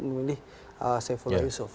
memilih saifullah yusuf